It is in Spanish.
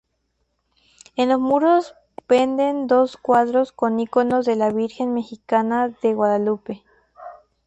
En los muros penden dos cuadros con iconos de la Virgen mejicana de Guadalupe.